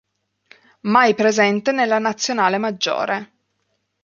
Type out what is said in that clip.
Mai presente nella Nazionale maggiore.